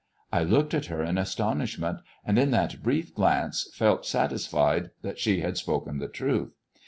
I looked at her in astonishment, and in that brief glance felt satisfied that she had spoken the truth.